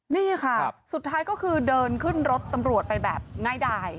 นี่ค่ะสุดท้ายก็คือเดินขึ้นรถตำรวจไปแบบง่ายดาย